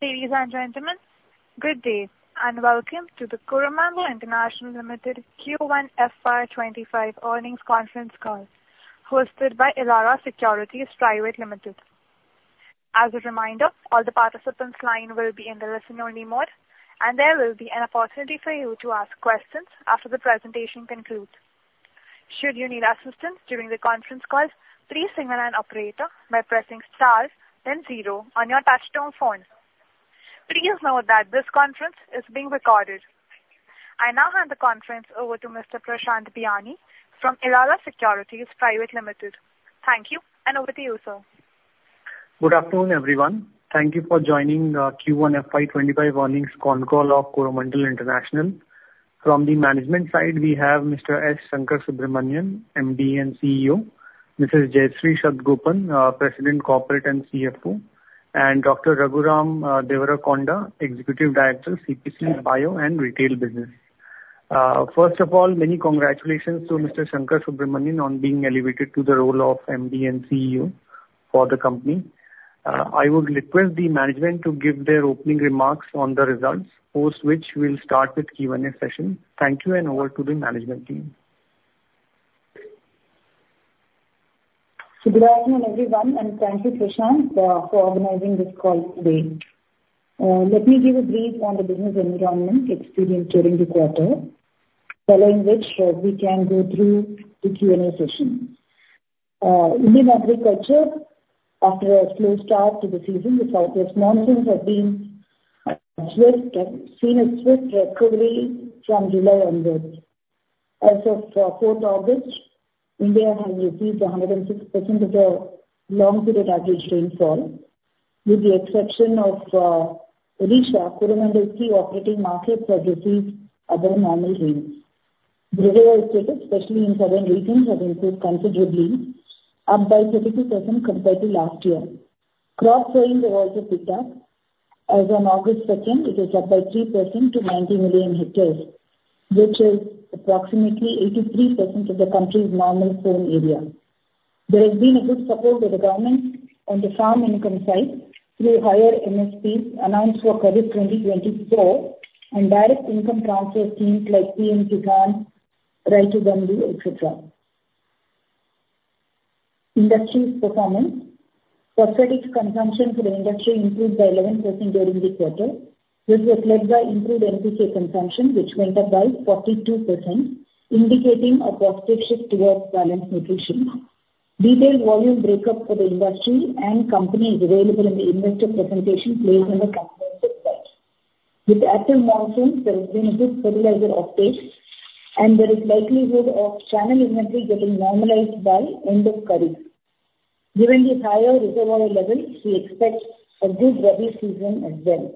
Ladies and gentlemen, good day, and welcome to the Coromandel International Limited Q1 FY25 earnings conference call, hosted by Elara Securities Private Limited. As a reminder, all the participants line will be in the listen-only mode, and there will be an opportunity for you to ask questions after the presentation concludes. Should you need assistance during the conference call, please signal an operator by pressing star then zero on your touchtone phone. Please note that this conference is being recorded. I now hand the conference over to Mr. Prashant Biyani from Elara Securities Private Limited. Thank you, and over to you, sir. Good afternoon, everyone. Thank you for joining the Q1 FY 2025 earnings con call of Coromandel International. From the management side, we have Mr. S. Sankarasubramanian, MD and CEO; Mrs. Jayashree Satagopan, President Corporate and CFO; and Dr. Raghuram Devarakonda, Executive Director, CPC, Bio and Retail Business. First of all, many congratulations to Mr. Sankarasubramanian on being elevated to the role of MD and CEO for the company. I would request the management to give their opening remarks on the results, post which we'll start with Q&A session. Thank you, and over to the management team. Good afternoon, everyone, and thank you, Prashant, for organizing this call today. Let me give a brief on the business environment experienced during the quarter, following which, we can go through the Q&A session. Indian agriculture, after a slow start to the season, the southwest monsoons have been swift and seen a swift recovery from July onwards. As of 4th August, India has received 106% of the long-term average rainfall, with the exception of Odisha, Coromandel's key operating markets have received above normal rains. Reservoir status, especially in southern regions, have improved considerably, up by 52% compared to last year. Crop sown have also picked up. As on August 2nd, it is up by 3% to 90 million hectares, which is approximately 83% of the country's normal sown area. There has been a good support to the government on the farm income side through higher MSPs announced for Kharif 2024, and direct income transfer schemes like PM Kisan, Rythu Bandhu, et cetera. Industry's performance. Phosphate consumption for the industry improved by 11% during the quarter. This was led by improved NPK consumption, which went up by 42%, indicating a positive shift towards balanced nutrition. Detailed volume breakup for the industry and company is available in the investor presentation placed on the company website. With active monsoons, there has been a good fertilizer offtake, and there is likelihood of channel inventory getting normalized by end of Kharif. Given the higher reservoir levels, we expect a good rabi season as well.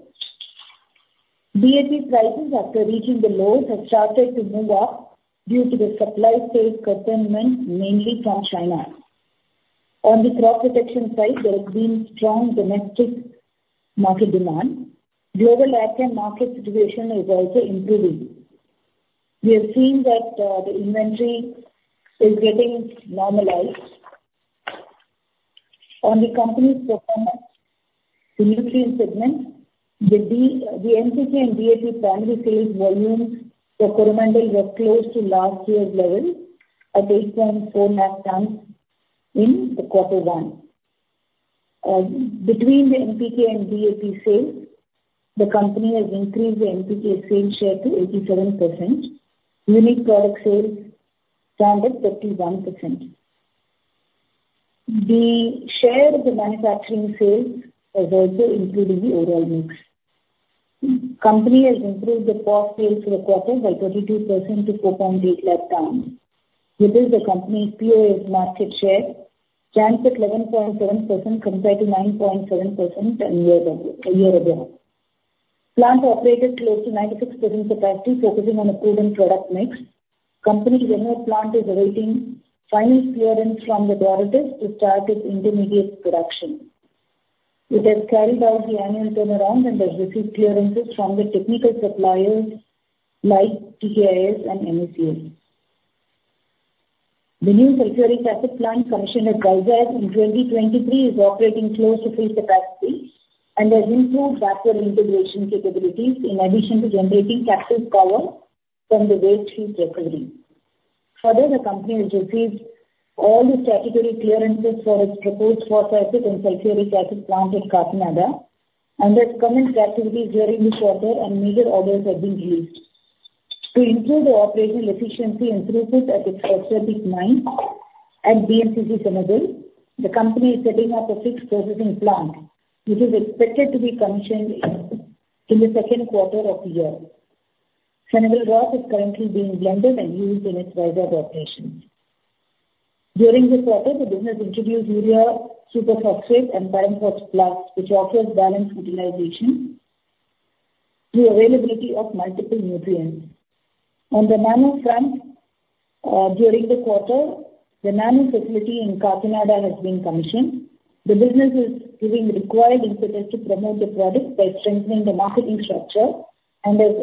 DAP prices, after reaching the lows, have started to move up due to the supply side curtailment, mainly from China. On the crop protection side, there has been strong domestic market demand. Global agrochemical market situation is also improving. We have seen that, the inventory is getting normalized. On the company's performance, the nutrition segment, the NPK and DAP primary sales volumes for Coromandel were close to last year's level at 8.4 million tons in the quarter one. Between the NPK and DAP sales, the company has increased the NPK sales share to 87%, unique product sales stand at 31%. The share of the manufacturing sales has also improved in the overall mix. Company has improved the potash sales for the quarter by 32% to 480,000 tons, which is the company's MOP's market share, stands at 11.7% compared to 9.7% year-over-year ago. Plant operated close to 96% capacity, focusing on improving product mix. Company's Ennore plant is awaiting final clearance from the authorities to start its intermediate production. It has carried out the annual turnaround and has received clearances from the technical suppliers like TKIS and MECS. The new sulfuric acid plant commissioned at Vizag in 2023, is operating close to full capacity and has improved backward integration capabilities in addition to generating captive power from the waste heat recovery. Further, the company has received all the statutory clearances for its proposed phosphoric and sulfuric acid plant in Kakinada, and has commenced activities during this quarter, and major orders have been placed. To improve the operational efficiency and throughput at its phosphate mine at BMCC, Senegal, the company is setting up a sixth processing plant, which is expected to be commissioned in the second quarter of the year. Senegal rock is currently being blended and used in its Vizag operation. During this quarter, the business introduced Urea Super Phosphate and Diammophos Plus, which offers balanced utilization through availability of multiple nutrients. On the nano front, during the quarter, the nano facility in Kakinada has been commissioned. The business is giving the required impetus to promote the product by strengthening the marketing structure and has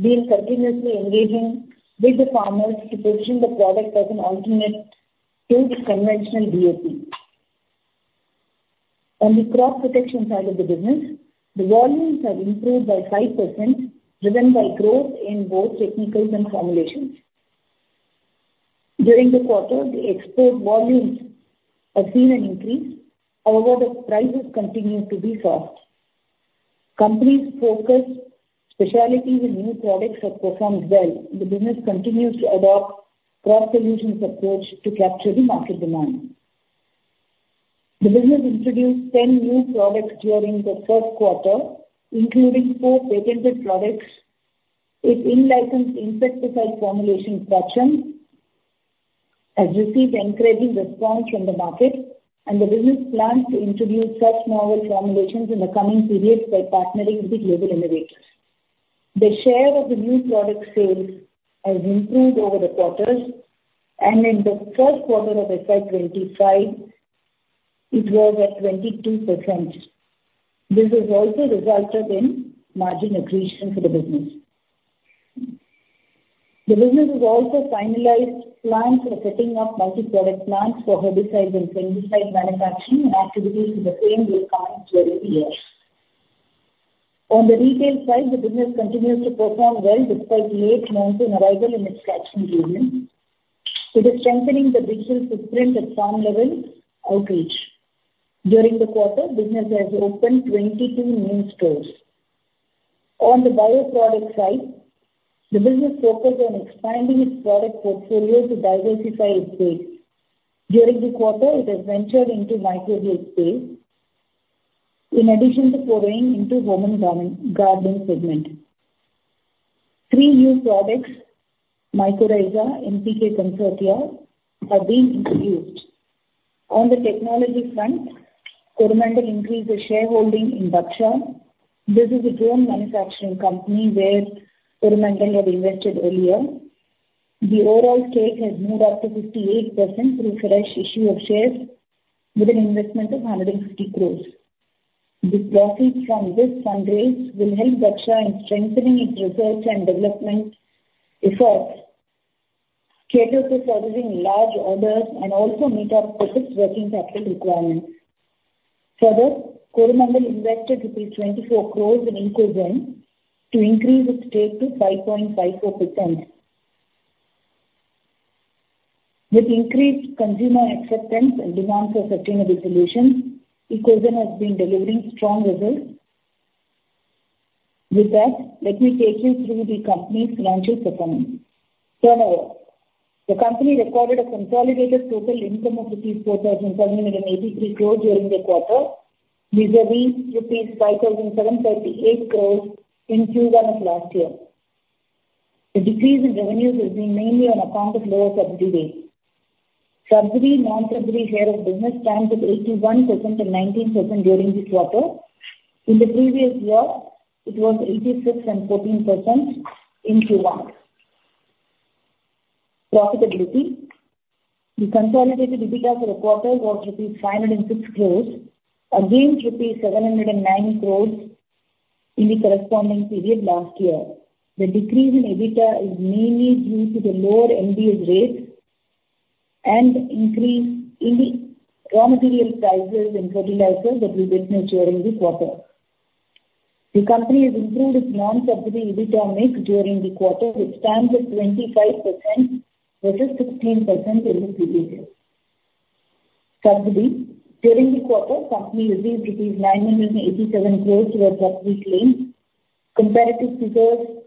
been continuously engaging with the farmers to position the product as an alternative to the conventional DAP. On the crop protection side of the business, the volumes have improved by 5%, driven by growth in both technicals and formulations. During the quarter, the export volumes have seen an increase, however, the prices continue to be soft. The company's focused specialties in new products have performed well. The business continues to adopt cross-solutions approach to capture the market demand. The business introduced 10 new products during the first quarter, including 4 patented products. Its in-licensed insecticide formulation, Prachand, has received encouraging response from the market, and the business plans to introduce such novel formulations in the coming periods by partnering with the global innovators. The share of the new product sales has improved over the quarters, and in the first quarter of FY 2025, it was at 22%. This has also resulted in margin accretion for the business. The business has also finalized plans for the setting up multi-product plants for herbicides and fungicide manufacturing activities in the same location during the year. On the retail side, the business continues to perform well despite late monsoon arrival in its catchment region. It is strengthening the digital footprint at farm level outreach. During the quarter, business has opened 22 new stores. On the bioproduct side, the business focused on expanding its product portfolio to diversify its base. During the quarter, it has ventured into microbes space, in addition to foraying into home and garden gardening segment. Three new products, Mycorrhiza, NPK Consortia, are being introduced. On the technology front, Coromandel increased its shareholding in Dhaksha. This is a drone manufacturing company where Coromandel had invested earlier. The overall stake has moved up to 58% through fresh issue of shares with an investment of 150 crores. The profits from this fundraise will help Dhaksha in strengthening its research and development efforts, cater to servicing large orders, and also meet up with its working capital requirements. Further, Coromandel invested INR 24 crores in Ecozen to increase its stake to 5.54%. With increased consumer acceptance and demand for sustainable solutions, Ecozen has been delivering strong results. With that, let me take you through the company's financial performance. Turnover. The company recorded a consolidated total income of rupees 4,783 crore during the quarter, vis-à-vis rupees 5,738 crore in Q1 of last year. The decrease in revenues has been mainly on account of lower subsidy rates. Subsidy/non-subsidy share of business stands at 81% to 19% during this quarter. In the previous year, it was 86% and 14% in Q1. Profitability. The consolidated EBITDA for the quarter was rupees 506 crore, against rupees 709 crore in the corresponding period last year. The decrease in EBITDA is mainly due to the lower NBS rates and increase in the raw material prices and fertilizers that we witnessed during the quarter. The company has improved its non-subsidy EBITDA mix during the quarter, which stands at 25%, versus 16% in the previous year. Subsidy. During the quarter, company received rupees 987 crore towards subsidy claims, comparative figures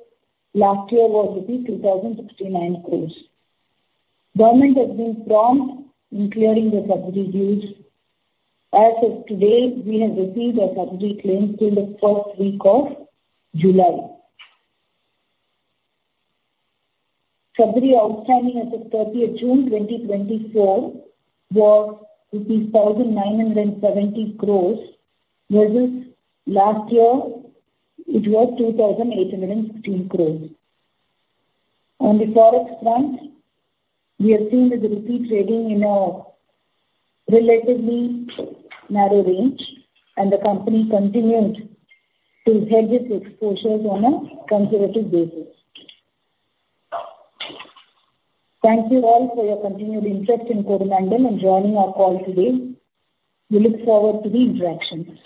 last year was rupees 2,069 crore. Government has been prompt in clearing the subsidy dues. As of today, we have received our subsidy claims till the first week of July. Subsidy outstanding as of 30th June 2024 was rupees 1,970 crore, versus last year, it was 2,816 crore. On the Forex front, we have seen the rupee trading in a relatively narrow range, and the company continued to hedge its exposures on a conservative basis. Thank you all for your continued interest in Coromandel and joining our call today. We look forward to the interactions.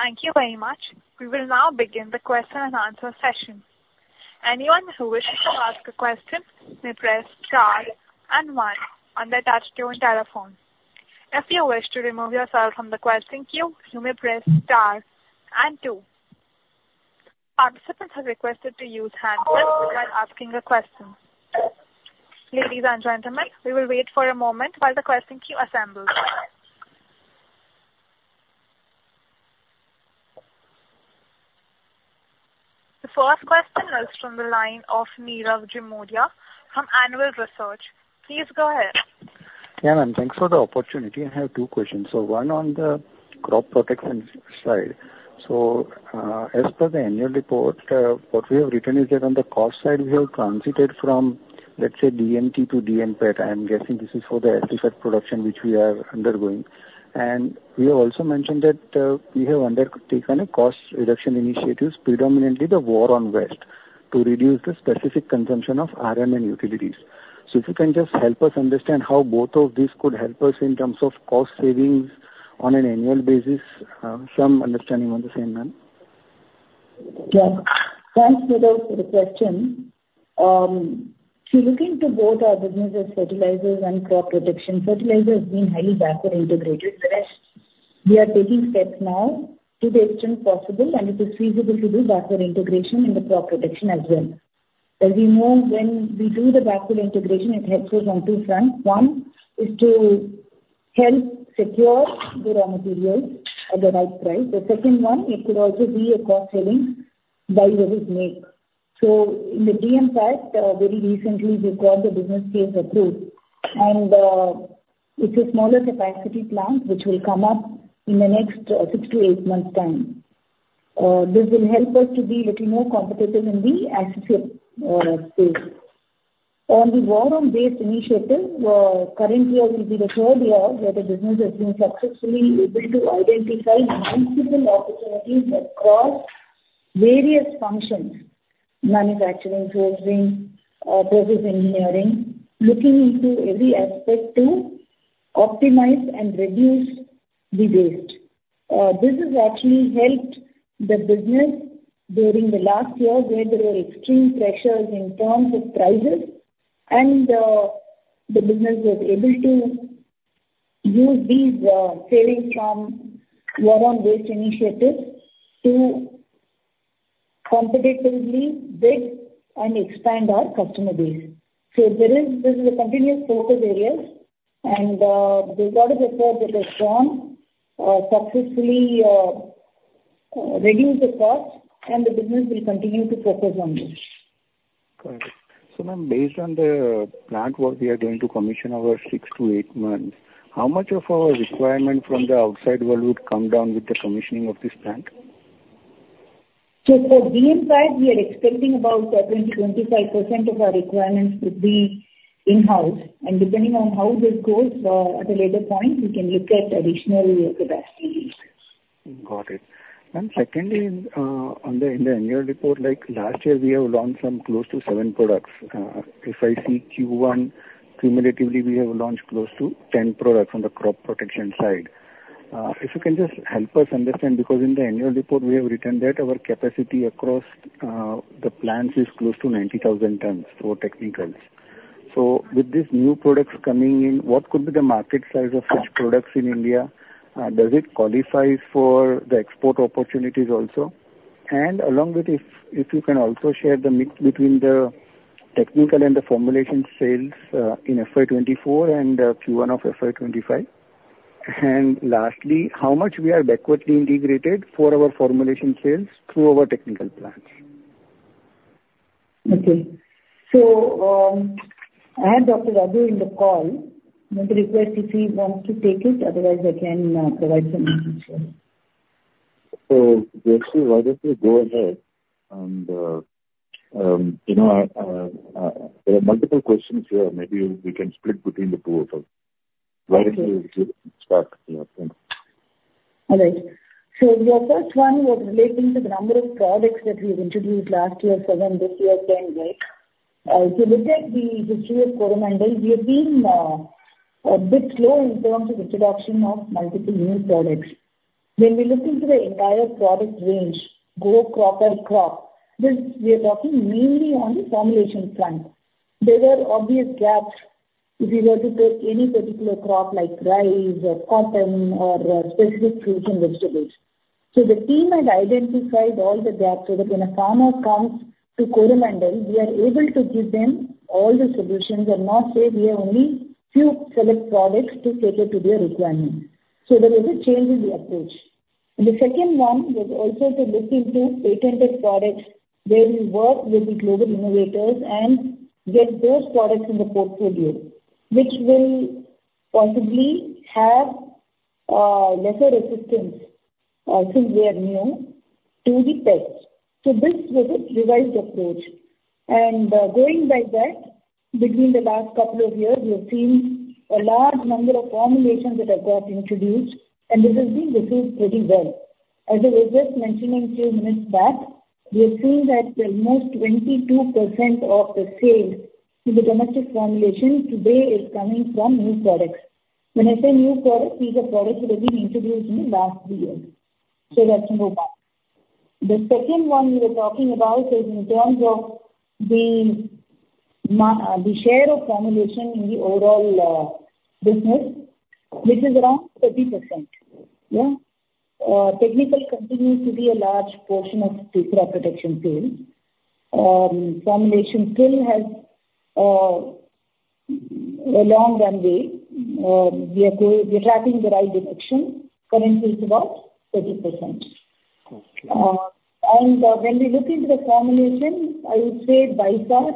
Thank you very much. We will now begin the question and answer session. Anyone who wishes to ask a question may press star and one on the touchtone telephone. If you wish to remove yourself from the question queue, you may press star and two. Participants are requested to use hand lift while asking a question. Ladies and gentlemen, we will wait for a moment while the question queue assembles. The first question is from the line of Nirav Jimudia from Anvil Research. Please go ahead. Yeah, ma'am. Thanks for the opportunity. I have two questions. So one on the crop protection side. So, as per the annual report, what we have written is that on the cost side, we have transited from, let's say, DMP to DMPAT. I am guessing this is for the ethical production which we are undergoing. And we have also mentioned that, we have undertaken a cost reduction initiatives, predominantly the War on Waste, to reduce the specific consumption of RM and utilities. So if you can just help us understand how both of these could help us in terms of cost savings on an annual basis, some understanding on the same, ma'am? Yeah. Thanks, Nirav, for the question. So looking to both our businesses, fertilizers and crop protection, fertilizer has been highly backward integrated. We are taking steps now to the extent possible, and it is feasible to do backward integration in the crop protection as well. As we know, when we do the backward integration, it helps us on two fronts. One is to help secure the raw materials at the right price. The second one, it could also be a cost saving by various means. So in the DM side, very recently we got the business case approved, and it's a smaller capacity plant which will come up in the next 6-8 months time. This will help us to be little more competitive in the agrochemical space. On the War on Waste initiative, currently it will be the third year that the business has been successfully able to identify multiple opportunities across various functions: manufacturing, sourcing, process engineering, looking into every aspect to optimize and reduce the waste. This has actually helped the business during the last year, where there were extreme pressures in terms of prices, and the business was able to use these savings from War on Waste initiatives to competitively bid and expand our customer base. So there is, this is a continuous focus areas and the efforts so far have been strong, successfully reduced the cost, and the business will continue to focus on this. Got it. So, ma'am, based on the plant what we are going to commission over 6-8 months, how much of our requirement from the outside world would come down with the commissioning of this plant? So for DM side, we are expecting about between 25% of our requirements to be in-house, and depending on how this goes, at a later point, we can look at additional capacities. Got it. And secondly, on the in the annual report, like last year, we have launched some close to 7 products. If I see Q1, cumulatively, we have launched close to 10 products on the crop protection side. If you can just help us understand, because in the annual report, we have written that our capacity across the plants is close to 90,000 tons for technicals. So with these new products coming in, what could be the market size of such products in India? Does it qualify for the export opportunities also? And along with this, if you can also share the mix between the technical and the formulation sales in FY 2024 and Q1 of FY 2025. And lastly, how much we are backwards integrated for our formulation sales through our technical plants? Okay. So, I have Dr. Raghu in the call. I'm going to request if he wants to take it, otherwise I can provide some answers. So actually, why don't you go ahead and, you know, there are multiple questions here. Maybe we can split between the two of them. Why don't you start? Yeah. All right. So your first one was relating to the number of products that we've introduced last year, 7, this year, 10, right? If you look at the history of Coromandel, we have been a bit slow in terms of introduction of multiple new products. When we look into the entire product range, go crop-by-crop, this we are talking mainly on the formulation front. There were obvious gaps if you were to take any particular crop like rice or cotton or specific fruits and vegetables. So the team had identified all the gaps so that when a farmer comes to Coromandel, we are able to give them all the solutions and not say we have only few select products to cater to their requirement. So there is a change in the approach. And the second one was also to look into patented products, where we work with the global innovators and get those products in the portfolio, which will possibly have lesser resistance, since they are new to the test. So this was a revised approach. And, going by that, between the last couple of years, we have seen a large number of formulations that have got introduced, and this has been received pretty well. As I was just mentioning few minutes back, we have seen that almost 22% of the sales in the domestic formulation today is coming from new products. When I say new products, these are products that have been introduced in the last 3 years. So let's go back. The second one you were talking about is in terms of the share of formulation in the overall business, which is around 30%. Yeah. Technical continues to be a large portion of the crop protection sales. Formulation still has a long runway. We are tracking the right direction. Currently, it's about 30%. Okay. When we look into the formulation, I would say by far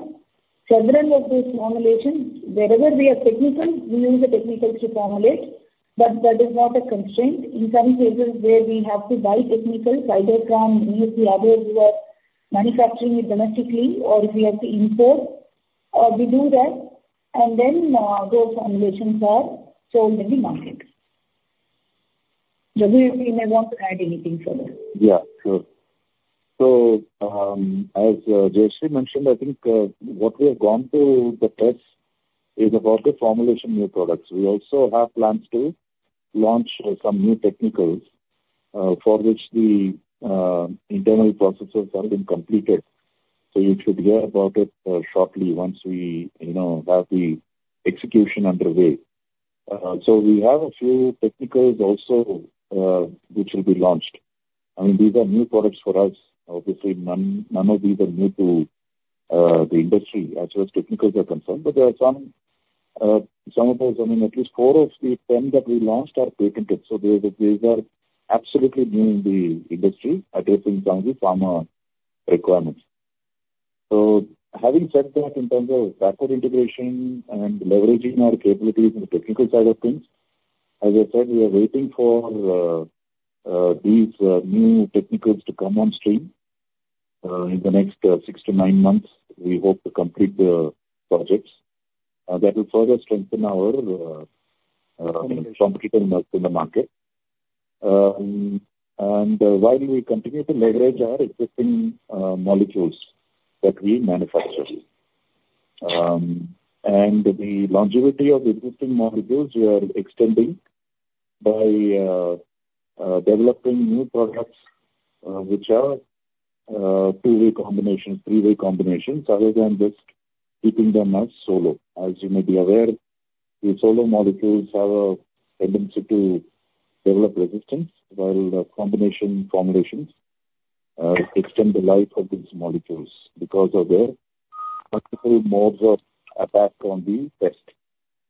several of those formulations, wherever we have technical, we use the technical to formulate, but that is not a constraint. In some cases where we have to buy technical, either from any of the others who are manufacturing it domestically or if we have to import, we do that, and then those formulations are sold in the market. Raghu, you may want to add anything further. Yeah, sure. So, as Jayashree mentioned, I think, what we have gone through the test is about the formulation new products. We also have plans to launch, some new technicals, for which the, internal processes have been completed. So you should hear about it, shortly once we, you know, have the execution underway. So we have a few technicals also, which will be launched. I mean, these are new products for us. Obviously, none, none of these are new to, the industry as far as technicals are concerned, but there are some, some of those, I mean, at least 4 of the 10 that we launched are patented. So they, these are absolutely new in the industry, addressing some of the farmer requirements. So having said that, in terms of backward integration and leveraging our capabilities in the technical side of things, as I said, we are waiting for these new technicals to come on stream. In the next 6-9 months, we hope to complete the projects. That will further strengthen our competitive in the market. And while we continue to leverage our existing molecules that we manufacture. And the longevity of the existing molecules we are extending by developing new products, which are 2-way combination, 3-way combinations, other than just keeping them as solo. As you may be aware, the solo molecules have a tendency to develop resistance, while the combination formulations extend the life of these molecules because of their multiple modes of attack on the pest.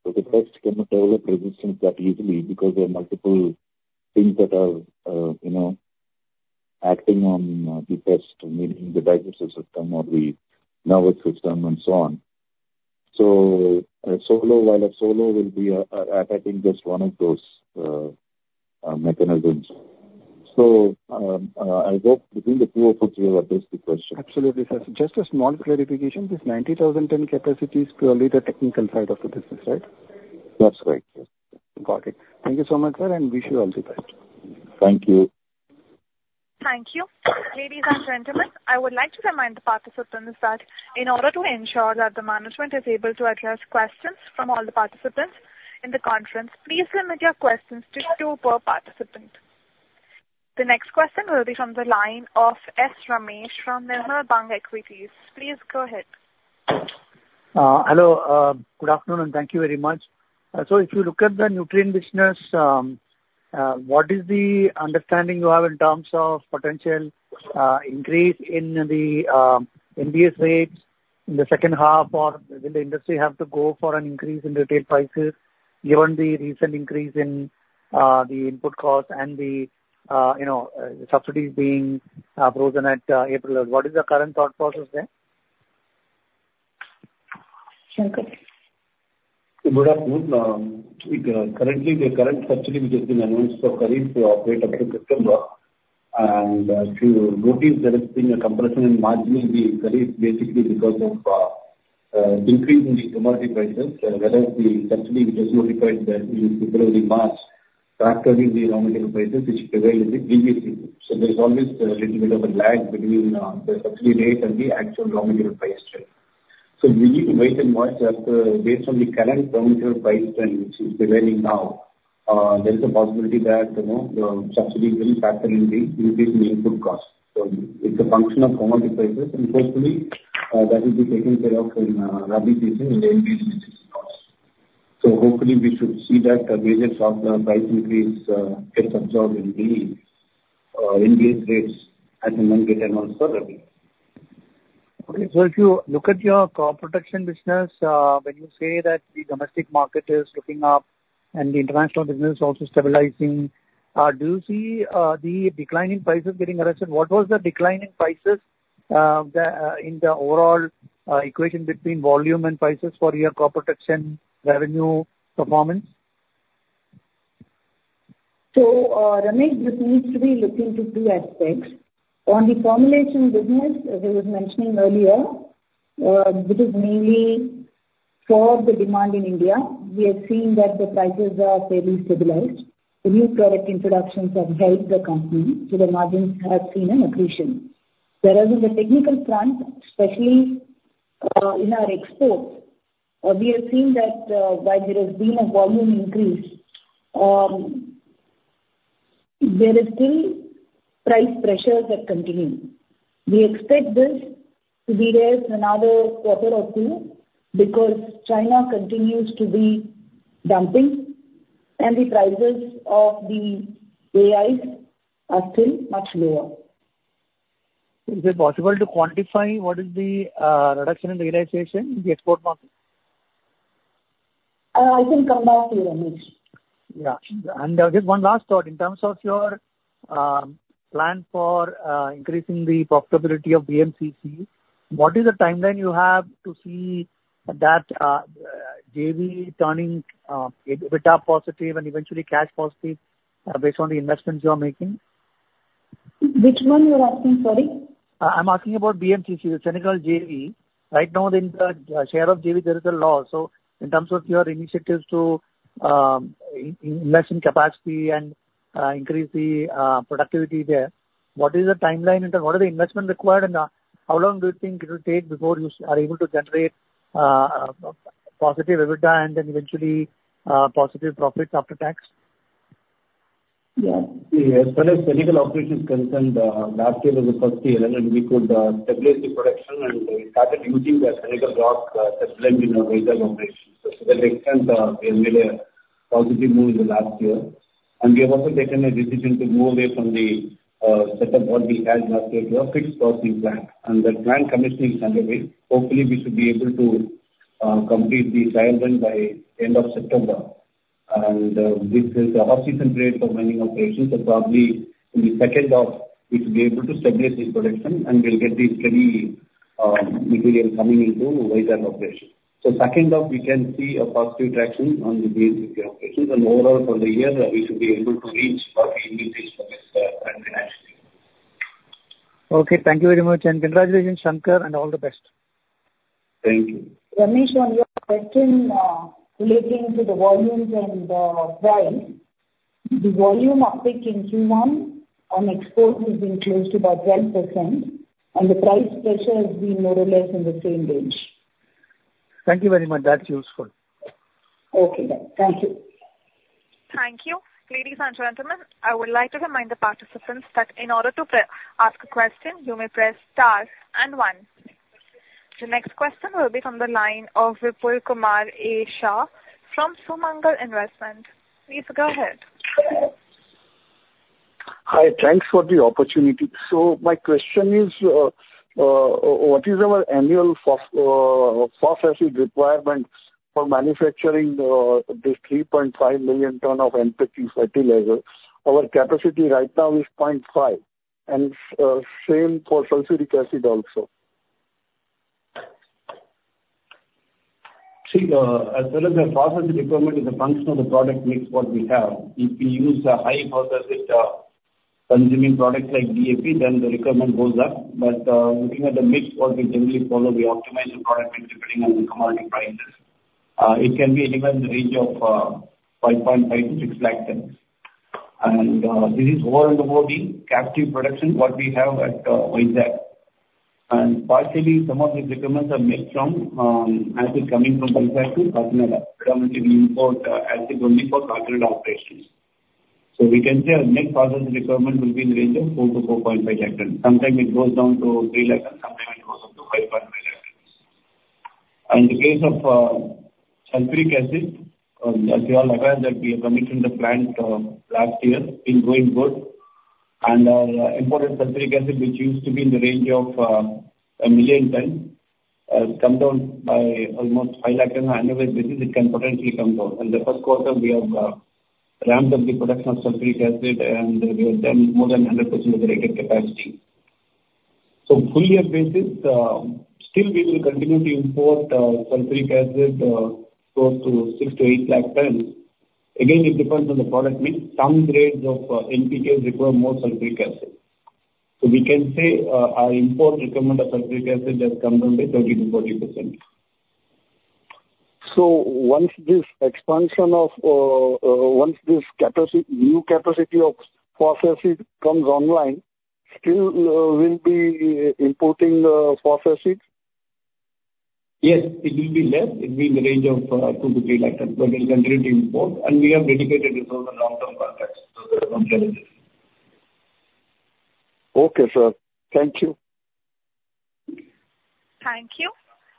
So the pest cannot develop resistance that easily because there are multiple things that are, you know, acting on the pest, meaning the digestive system or the nervous system and so on. So a solo, while a solo will be, attacking just one of those mechanisms. So, I hope between the two of us, we have addressed the question. Absolutely, sir. Just a small clarification, this 90,000 ton capacity is purely the technical side of the business, right? That's right, yes. Got it. Thank you so much, sir, and wish you all the best. Thank you. Thank you. Ladies and gentlemen, I would like to remind the participants that in order to ensure that the management is able to address questions from all the participants in the conference, please limit your questions to two per participant. The next question will be from the line of S. Ramesh from Nirmal Bang Equities. Please go ahead. Hello. Good afternoon, and thank you very much. So if you look at the nutrient business, what is the understanding you have in terms of potential increase in the NBS rates in the second half, or will the industry have to go for an increase in retail prices given the recent increase in the input cost and the, you know, subsidies being frozen at April? What is the current thought process there? Sure. Good afternoon. Currently, the current subsidy which has been announced for Kharif, late after September. To note, there has been a compression in margin in the Kharif, basically because of increase in the commodity prices, when the subsidy was notified there in February, March, tracking the raw material prices, which prevail in the previous period. So there's always a little bit of a lag between the subsidy rate and the actual raw material price trend. So we need to wait and watch as, based on the current raw material price trend, which is prevailing now, there is a possibility that, you know, the subsidy will factor in the increase in input cost. So it's a function of commodity prices, and hopefully, that will be taken care of in early season in the cost. So hopefully we should see that the wages of the price increase get absorbed in the Indian rates at the monthly term also already. Okay. So if you look at your crop protection business, when you say that the domestic market is looking up and the international business is also stabilizing, do you see the decline in prices getting arrested? What was the decline in prices in the overall equation between volume and prices for your crop protection revenue performance? So, Ramesh, this needs to be looking to two aspects. On the formulation business, as I was mentioning earlier, which is mainly for the demand in India, we are seeing that the prices are fairly stabilized. The new product introductions have helped the company, so the margins have seen an accretion. Whereas in the technical front, especially, in our exports, we have seen that, while there has been a volume increase, there is still price pressures that continue. We expect this to be there for another quarter or two, because China continues to be dumping, and the prices of the AIs are still much lower. Is it possible to quantify what is the reduction in realization in the export market? I can come back to you, Ramesh. Yeah. And, just one last thought. In terms of your plan for increasing the profitability of BMCC, what is the timeline you have to see that JV turning EBITDA positive and eventually cash positive, based on the investments you are making?... Which one you are asking, sorry? I'm asking about BMCC, the Senegal JV. Right now, in the share of JV, there is a loss. So in terms of your initiatives to invest in capacity and increase the productivity there, what is the timeline, and what are the investment required, and how long do you think it will take before you are able to generate positive EBITDA and then eventually positive profits after tax? Yeah. As far as Senegal operation is concerned, last year was the first year, and then we could stabilize the production, and we started using the Senegal rock in our Vizag operation. So to that extent, we made a positive move in the last year. And we have also taken a decision to move away from the setup what we had last year to a fixed processing plant, and the plant commissioning is underway. Hopefully, we should be able to complete the trial run by end of September. And this is the off-season period for mining operations, so probably in the second half, we should be able to stabilize the production, and we'll get the steady material coming into Vizag operation. So, second half, we can see a positive traction on the BMCC operations, and overall for the year, we should be able to reach what we. Okay, thank you very much, and congratulations, Shankar, and all the best. Thank you. Ramesh, on your question, relating to the volumes and price, the volume uptick in Q1 on export has been close to about 10%, and the price pressure has been more or less in the same range. Thank you very much. That's useful. Okay, thank you. Thank you. Ladies and gentlemen, I would like to remind the participants that in order to press a question, you may press Star and One. The next question will be from the line of Vipul Kumar A. Shah from Sumangal Investment. Please go ahead. Hi, thanks for the opportunity. So my question is, what is our annual phosphoric acid requirement for manufacturing this 3.5 million ton of NPK fertilizer? Our capacity right now is 0.5, and same for sulfuric acid also. See, as well as the phosphoric acid requirement is a function of the product mix what we have. If we use a high phosphoric consuming product like DAP, then the requirement goes up. But looking at the mix, what we generally follow, we optimize the product mix depending on the commodity prices. It can be anywhere in the range of 5.5-6 lakh tons. And this is over and above the captive production, what we have at Vizag. And partially, some of these requirements are met from acid coming from Vizag to Kakinada. Predominantly, we import acid only for Kakinada operations. So we can say our net phosphoric acid requirement will be in the range of 4-4.5 lakh tons. Sometimes it goes down to 300,000 tons, sometimes it goes up to 550,000 tons. And in the case of sulfuric acid, as you are all aware, that we have commissioned the plant last year, it's doing good. And imported sulfuric acid, which used to be in the range of 1 million tons, has come down by almost 500,000 tons. On an annual basis, it can potentially come down. In the first quarter, we have ramped up the production of sulfuric acid, and we have done more than 100% of the rated capacity. So full year basis, still we will continue to import sulfuric acid close to 600,000-800,000 tons. Again, it depends on the product mix. Some grades of NPK require more sulfuric acid. We can say, our import requirement of sulfuric acid has come down by 30%-40%. So once this new capacity of phosphoric comes online, still, we'll be importing the phosphoric? Yes, it will be less. It will be in the range of 200,000-300,000 tons, but we'll continue to import, and we have dedicated it over long-term contracts, so there is no challenge. Okay, sir. Thank you. Thank you.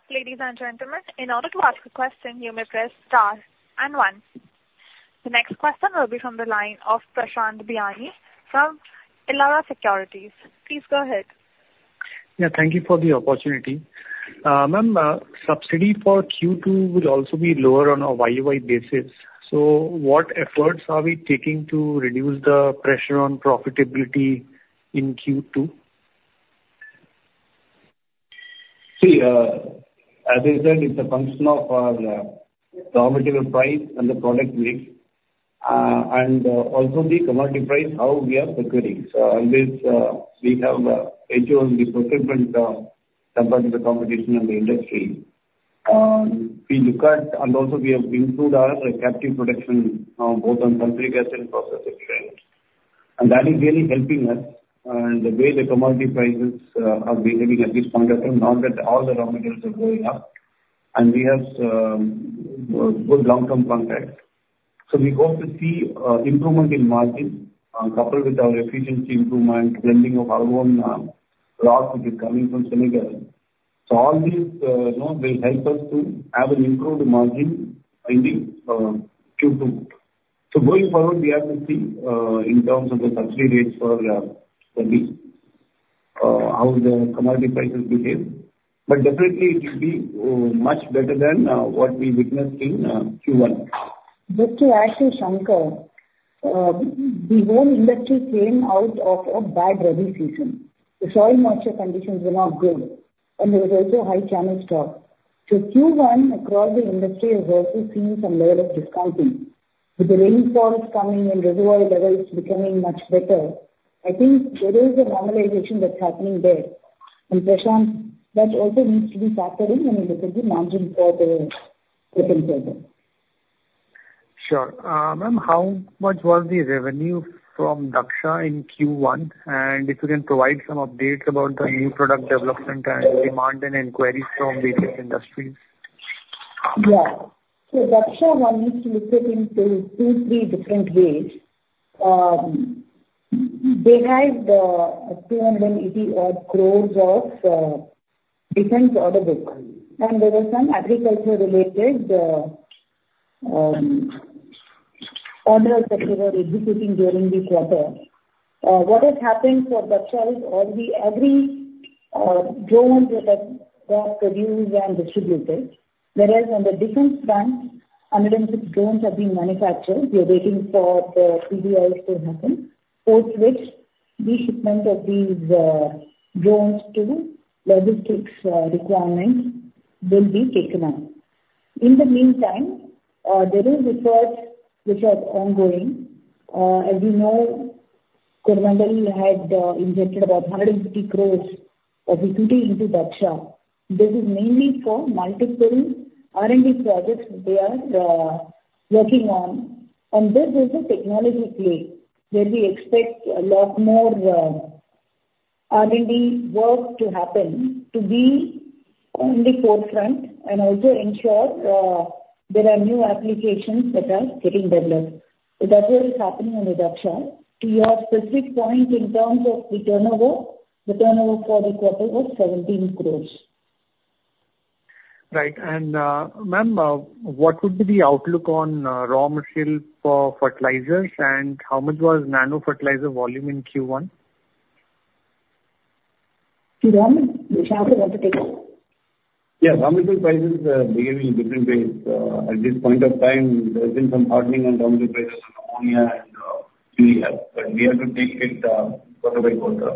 Ladies and gentlemen, in order to ask a question, you may press Star and One. The next question will be from the line of Prashant Biyani from Elara Securities. Please go ahead. Yeah, thank you for the opportunity. Ma'am, subsidy for Q2 will also be lower on a YOY basis. So what efforts are we taking to reduce the pressure on profitability in Q2? See, as I said, it's a function of the raw material price and the product mix, and also the commodity price, how we are securing. So always, we have ensured the procurement compared to the competition in the industry. We look at... And also, we have improved our captive production both on sulfuric acid and phosphoric acid. And that is really helping us in the way the commodity prices are behaving at this point of time, now that all the raw materials are going up, and we have good long-term contracts. So we hope to see improvement in margin coupled with our efficiency improvement, blending of our own rock, which is coming from Senegal. So all these, you know, will help us to have an improved margin in the Q2. Going forward, we have to see, in terms of the subsidy rates for subsidy, how the commodity prices behave, but definitely it should be much better than what we witnessed in Q1. Just to add you, Shankar, the whole industry came out of a bad rainy season. The soil moisture conditions were not good, and there was also high channel stock. So Q1, across the industry, has also seen some level of discounting. With the rainfalls coming and reservoir levels becoming much better, I think there is a normalization that's happening there. And Prashant, that also needs to be factored in when we look at the margin for the second quarter. Sure. Ma'am, how much was the revenue from Dhaksha in Q1? And if you can provide some updates about the new product development and demand and inquiries from various industries. So Dhaksha, one needs to look at into two, three different ways. They have the 280-odd crores of defense order book, and there were some agriculture related orders that they were executing during this quarter. What has happened for Dhaksha is all the every drone that was produced and distributed. Whereas on the defense front, 150 drones have been manufactured. We are waiting for the PDI to happen, post which the shipment of these drones to logistics requirements will be taken up. In the meantime, there is research which are ongoing. As you know, Coromandel had injected about 150 crore of equity into Dhaksha. This is mainly for multiple R&D projects they are working on. This is a technology play, where we expect a lot more R&D work to happen to be on the forefront, and also ensure there are new applications that are getting developed. That is what is happening on the Dhaksha. To your specific point in terms of the turnover, the turnover for the quarter was INR 17 crore. Right. And, ma'am, what would be the outlook on raw material for fertilizers, and how much was nano fertilizer volume in Q1? The raw material, Shankar wants to take it. Yeah. Raw material prices are behaving in different ways. At this point of time, there's been some hardening on raw material prices on ammonia and, MGA, but we have to take it, quarter-by-quarter.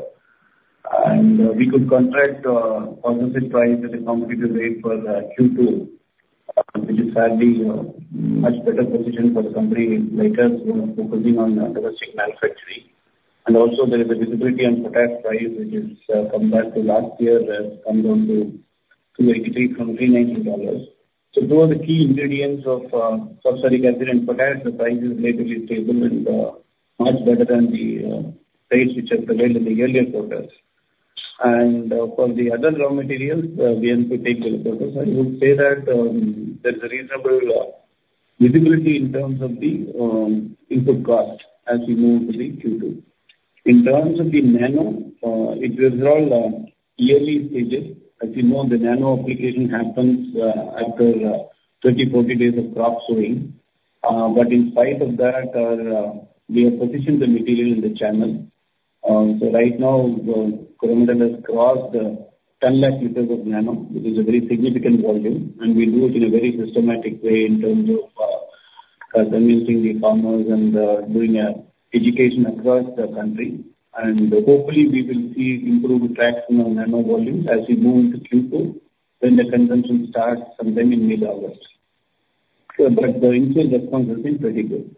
And we could contract, positive price at a competitive rate for, Q2, which is fairly, much better position for the company like us, you know, focusing on domestic manufacturing. And also there is a visibility on potash price, which is, compared to last year, has come down to $283 from $390. So those are the key ingredients of, sulfuric acid and potash. The price is relatively stable and, much better than the, price which has prevailed in the earlier quarters. And, for the other raw materials, we have to take the quarters. I would say that, there's a reasonable visibility in terms of the input cost as we move to the Q2. In terms of the nano, it is all early stages. As you know, the nano application happens after 30, 40 days of crop sowing. But in spite of that, we have positioned the material in the channel. So right now, the Coromandel has crossed 1,000,000 liters of nano, which is a very significant volume, and we do it in a very systematic way in terms of convincing the farmers and doing education across the country. And hopefully, we will see improved traction on nano volumes as we move into Q2, when the consumption starts sometime in mid-August. So, but the initial response has been pretty good.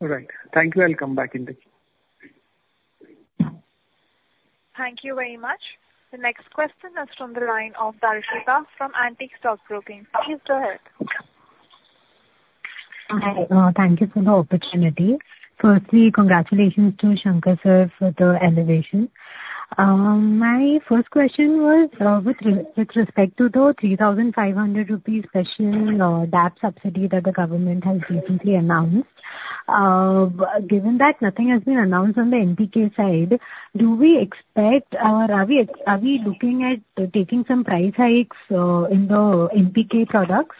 All right. Thank you. I'll come back in the queue. Thank you very much. The next question is from the line of Darshita from Antique Stock Broking. Please go ahead. Hi, thank you for the opportunity. Firstly, congratulations to Shankar, sir, for the elevation. My first question was, with respect to the 3,500 rupees special DAP subsidy that the government has recently announced. But given that nothing has been announced on the NPK side, do we expect, or are we, are we looking at taking some price hikes, in the NPK products?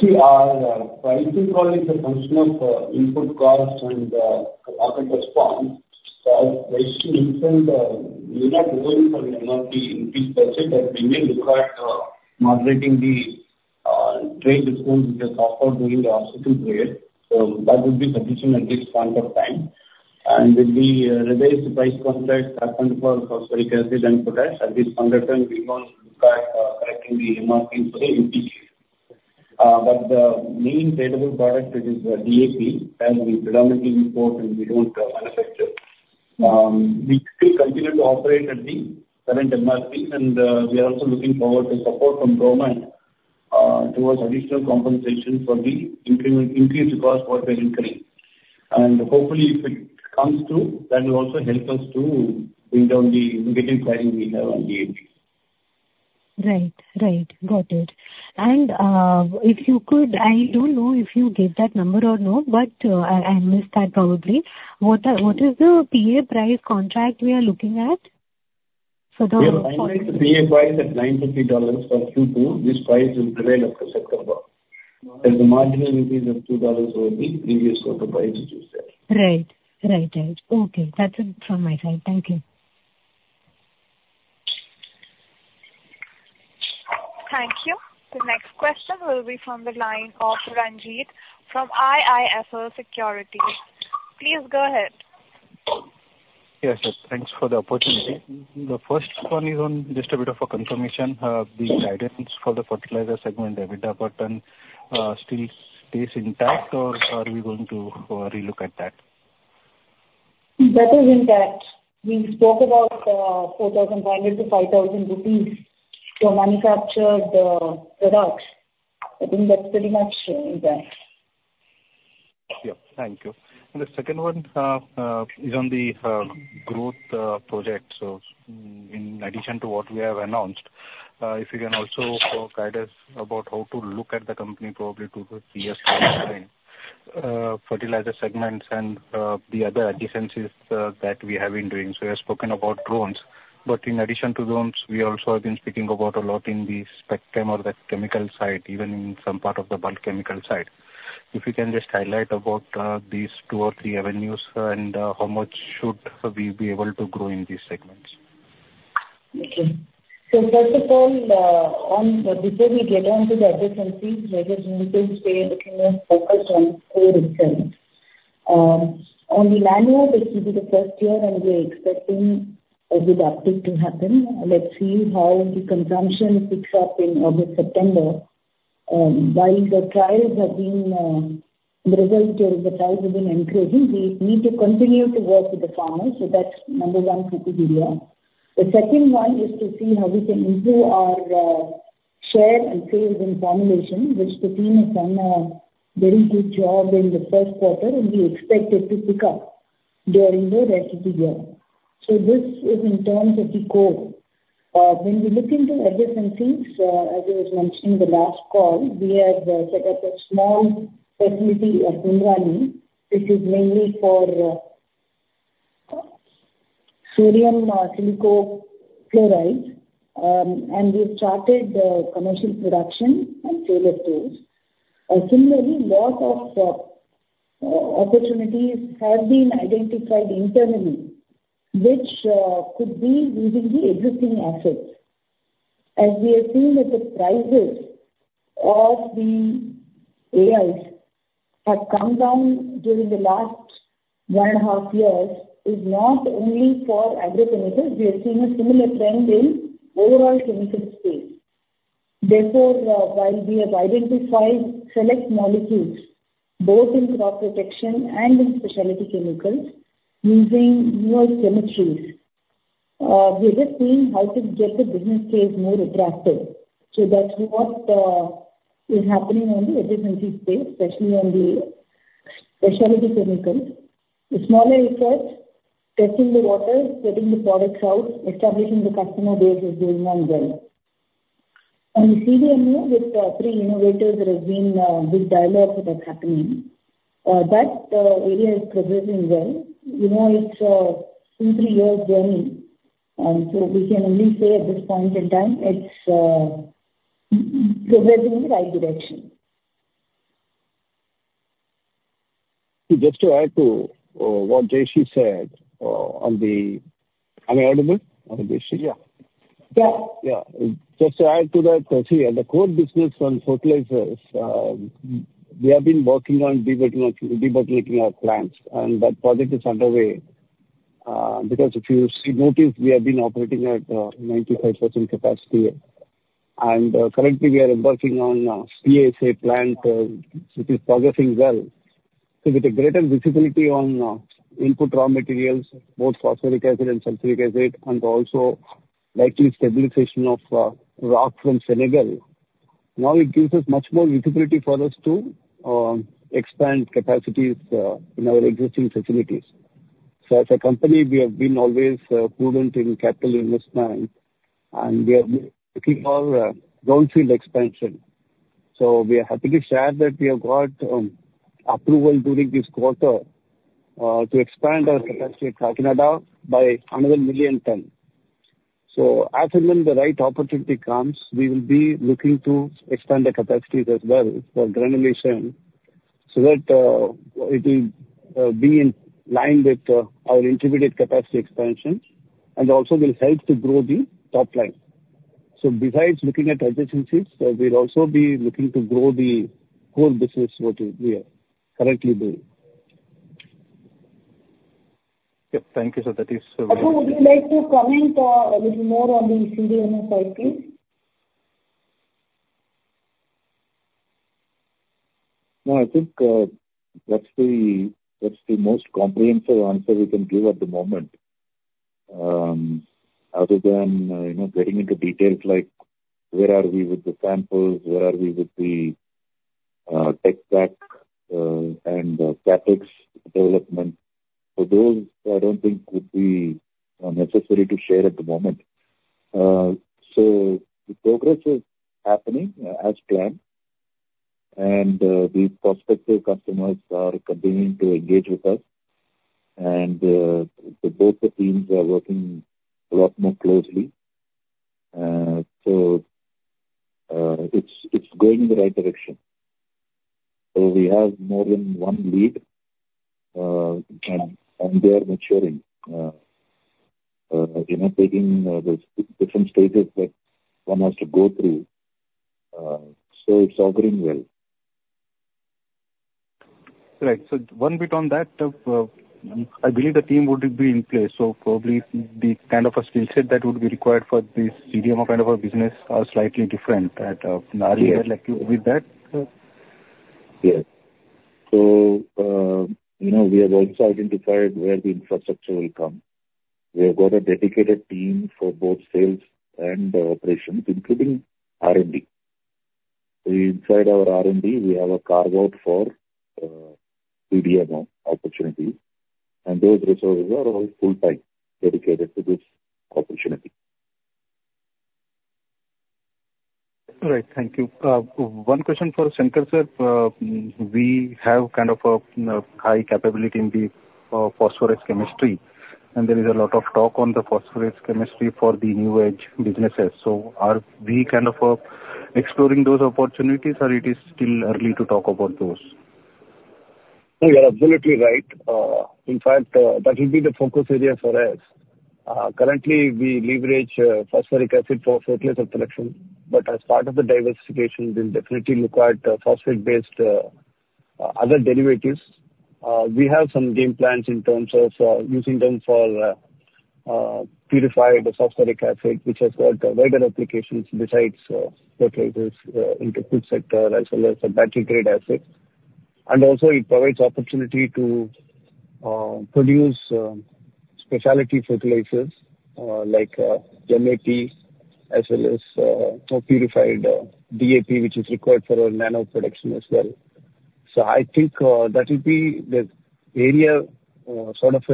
See, our pricing call is a function of input costs and market response. So I would like to mention, we are not going for an MRP increase as such, but we may look at moderating the trade discount which was offered during the off season period. So that would be sufficient at this point of time. With the revised price contract happened for sulfuric acid and potash, at this point of time, we want to look at correcting the MRP for the NPK. But the main tradable product is DAP, as we predominantly import and we don't manufacture. We still continue to operate at the current MRP, and we are also looking forward to support from government towards additional compensation for the increased cost what we are incurring. Hopefully, if it comes through, that will also help us to bring down the pricing we have on DAP. Right. Right. Got it. And, if you could... I don't know if you gave that number or not, but, I missed that probably. What is the PA price contract we are looking at for the- We have finalized the PA price at $950 for Q2. This price will prevail after September. There's a marginal increase of $2 over the previous quarter price, which was there. Right. Right, right. Okay, that's it from my side. Thank you. Thank you. The next question will be from the line of Ranjeet from IIFL Securities. Please go ahead.... Yes, sir, thanks for the opportunity. The first one is on just a bit of a confirmation. The guidance for the fertilizer segment, the EBITDA pattern, still stays intact, or are we going to relook at that? That is intact. We spoke about 4,500-5,000 rupees to manufacture the product. I think that's pretty much intact. Yeah, thank you. The second one is on the growth projects. In addition to what we have announced, if you can also guide us about how to look at the company probably through the previous year, fertilizer segments and the other adjacencies that we have been doing. You have spoken about drones, but in addition to drones, we also have been speaking about a lot in the spectrum or the chemical side, even in some part of the bulk chemical side. If you can just highlight about these two or three avenues and how much should we be able to grow in these segments? Okay. So first of all, on, before we get on to the adjacencies, I just need to stay focused on core itself. On the nano, this will be the first year, and we are expecting a good uptick to happen. Let's see how the consumption picks up in August, September, while the trials have been, the results or the trials have been encouraging, we need to continue to work with the farmers. So that's number one criteria. The second one is to see how we can improve our, share and sales in formulation, which the team has done a very good job in the first quarter, and we expect it to pick up during the rest of the year. So this is in terms of the core. When we look into adjacencies, as I was mentioning the last call, we have set up a small facility at Nimrani. This is mainly for sodium silico fluoride, and we've started the commercial production and sales tools. Similarly, lot of opportunities have been identified internally, which could be using the existing assets. As we have seen that the prices of the AIs have come down during the last 1.5 years is not only for agrochemicals. We are seeing a similar trend in overall chemical space. Therefore, while we have identified select molecules both in crop protection and in specialty chemicals, using newer chemistries, we are just seeing how to get the business case more attractive. So that's what is happening on the adjacencies space, especially on the specialty chemicals. The smaller research, testing the waters, getting the products out, establishing the customer base is going on well. On CDMO, with the 3 innovators, there has been good dialogues that are happening. That area is progressing well. You know, it's a 2-3-year journey, and so we can only say at this point in time, it's progressing in the right direction. Just to add to what Jayashree said on the... Am I audible? Yeah. Yeah. Yeah. Just to add to that, see, the core business on fertilizers, we have been working on debottlenecking, debottlenecking our plants, and that project is underway. Because if you see notice, we have been operating at 95% capacity, and currently we are embarking on a P&SA plant, which is progressing well. So with a greater visibility on input raw materials, both phosphoric acid and sulfuric acid, and also likely stabilization of rock from Senegal, now it gives us much more visibility for us to expand capacities in our existing facilities. So as a company, we have been always prudent in capital investment, and we have been looking for greenfield expansion. So we are happy to share that we have got approval during this quarter to expand our capacity at Kakinada by another million ton. So as and when the right opportunity comes, we will be looking to expand the capacities as well for granulation, so that it will be in line with our integrated capacity expansion and also will help to grow the top line. So besides looking at adjacencies, we'll also be looking to grow the core business what we are currently doing. Yep. Thank you, sir. That is- Would you like to comment, a little more on the CDMO side, please? No, I think that's the most comprehensive answer we can give at the moment. Other than, you know, getting into details like where are we with the samples, where are we with the tech pack, and the CapEx development. So those I don't think would be necessary to share at the moment. So the progress is happening as planned, and the prospective customers are continuing to engage with us, and both the teams are working a lot more closely. So it's going in the right direction. So we have more than one lead, and they are maturing, you know, taking the different stages that one has to go through. So it's all going well.... Right. So one bit on that, I believe the team would be in place, so probably the kind of a skill set that would be required for this CDMO kind of a business are slightly different than earlier, like with that? Yes. So, you know, we have also identified where the infrastructure will come. We have got a dedicated team for both sales and operations, including R&D. So inside our R&D, we have a carve-out for CDMO opportunities, and those resources are all full-time dedicated to this opportunity. Right. Thank you. One question for Shankar, sir. We have kind of a high capability in the phosphorus chemistry, and there is a lot of talk on the phosphorus chemistry for the new age businesses. So are we kind of exploring those opportunities, or it is still early to talk about those? You are absolutely right. In fact, that will be the focus area for us. Currently, we leverage phosphoric acid for fertilizer production, but as part of the diversification, we'll definitely require the phosphate-based other derivatives. We have some game plans in terms of using them for purified phosphoric acid, which has got wider applications besides fertilizers into food sector as well as a battery-grade acid. And also it provides opportunity to produce specialty fertilizers like MAP, as well as more purified DAP, which is required for our nano production as well. So I think that will be the area sort of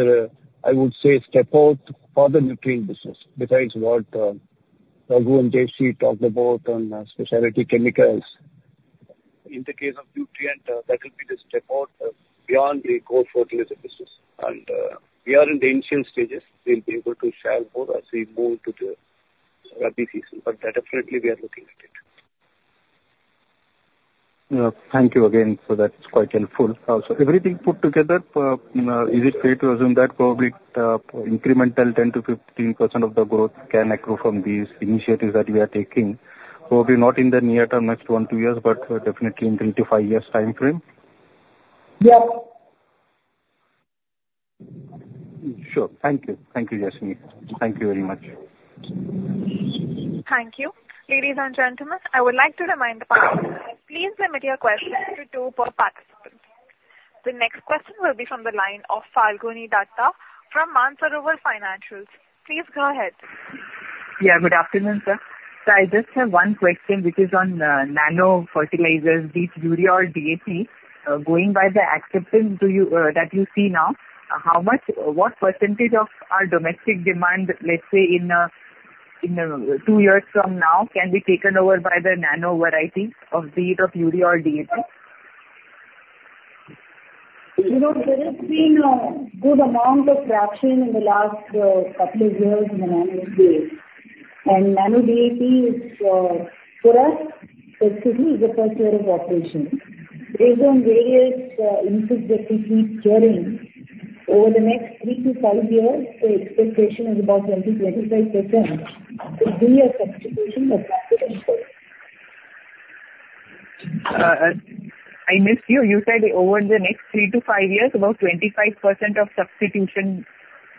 I would say step out for the nutrient business, besides what Raghu and JC talked about on specialty chemicals. In the case of nutrient, that will be the step out beyond the core fertilizer business. And we are in the initial stages. We'll be able to share more as we move to the season, but definitely we are looking at it. Yeah. Thank you again. So that's quite helpful. Also, everything put together, is it fair to assume that probably, incremental 10%-15% of the growth can accrue from these initiatives that you are taking? Probably not in the near term, next 1-2 years, but, definitely in 3-5 years timeframe. Yes. Sure. Thank you. Thank you, Jayashree. Thank you very much. Thank you. Ladies and gentlemen, I would like to remind the participants, please limit your questions to two per participant. The next question will be from the line of Falguni Dutta from Mansarovar Financials. Please go ahead. Yeah, good afternoon, sir. So I just have one question, which is on nano fertilizers, be it urea or DAP. Going by the acceptance that you see now, how much, what percentage of our domestic demand, let's say, in two years from now, can be taken over by the nano variety, be it urea or DAP? You know, there has been a good amount of traction in the last couple of years in the nano space. Nano DAP is, for us, it's only the first year of operation. Based on various inputs that we keep getting, over the next 3-5 years, the expectation is about 20%-25% to be a substitution of. I missed you. You said over the next 3-5 years, about 25% of substitution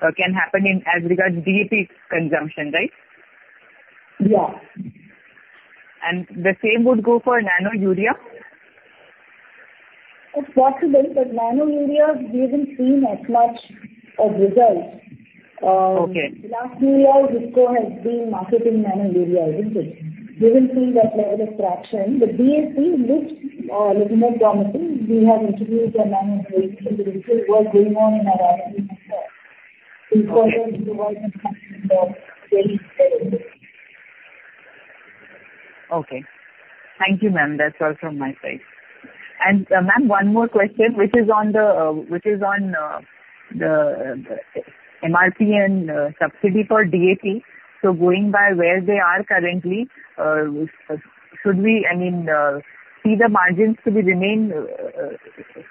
can happen in as regards DAP consumption, right? Yeah. The same would go for Nano Urea? It's possible, but Nano Urea, we haven't seen as much of results. Okay. Last year, IFFCOhas been marketing Nano Urea, isn't it? We will see that level of traction, but DAP looks little more promising. We have introduced a Nano DAP, so there's still work going on in our R&D center. Okay. In order to work in the very steady. Okay. Thank you, ma'am. That's all from my side. And, ma'am, one more question, which is on the MRP and subsidy for DAP. So going by where they are currently, should we, I mean, see the margins to be remain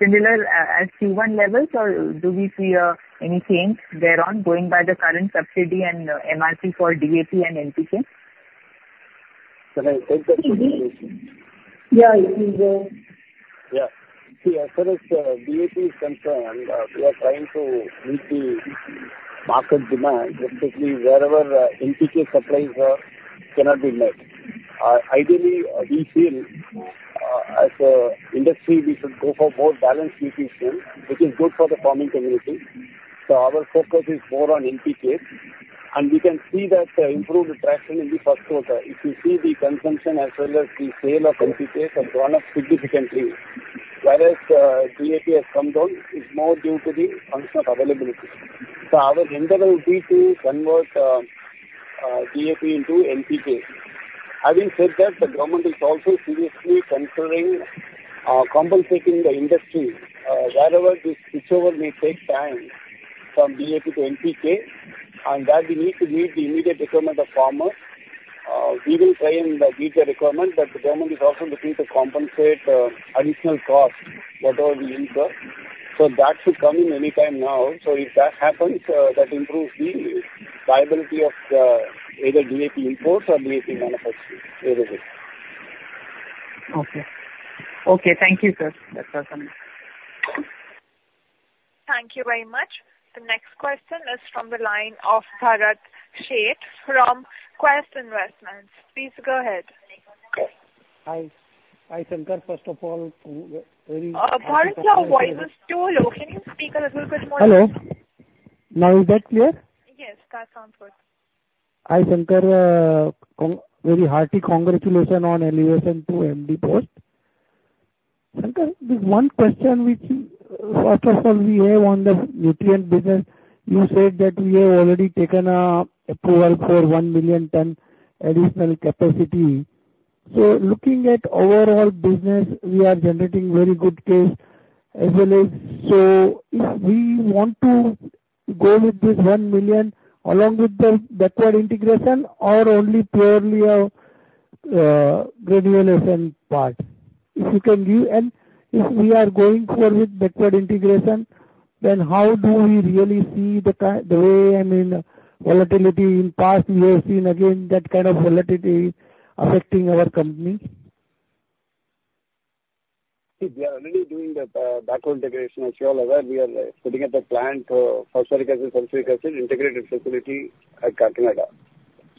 similar as Q1 levels, or do we see any change there on, going by the current subsidy and MRP for DAP and NPK? Can I take that question? Yeah, you can go. Yeah. See, as far as DAP is concerned, we are trying to meet the market demand, basically wherever NPK supplies cannot be met. Ideally, we feel, as an industry, we should go for more balanced nutrition, which is good for the farming community. So our focus is more on NPK, and we can see that improved traction in the first quarter. If you see the consumption as well as the sale of NPK has gone up significantly, whereas DAP has come down, is more due to the absence of availability. So our intent will be to convert DAP into NPK. Having said that, the government is also seriously considering compensating the industry wherever the switchover may take time from DAP to NPK, and that we need to meet the immediate requirement of farmers. We will try and meet the requirement, but the government is also looking to compensate additional costs, whatever we incur. ...So that should come in any time now. So if that happens, that improves the viability of the either DAP imports or DAP manufacturing, either way. Okay. Okay, thank you, sir. That's all from me. Thank you very much. The next question is from the line of Bharat Sheth from Quest Investments. Please go ahead. Hi. Hi, Shankar. First of all, Bharat, your voice is too low. Can you speak a little bit more? Hello. Now is that clear? Yes, that sounds good. Hi, Shankar. Very hearty congratulations on elevation to MD post. Shankar, there's one question which, first of all, we have on the nutrient business. You said that we have already taken approval for 1 million ton additional capacity. So looking at overall business, we are generating very good case as well as... So if we want to go with this 1 million along with the backward integration or only purely granulation part. If you can give, and if we are going forward with backward integration, then how do we really see the key, the way, I mean, volatility in past we have seen again, that kind of volatility affecting our company? We are already doing the backward integration, as you are aware. We are putting up a plant, phosphoric acid, sulfuric acid, integrated facility at Kakinada.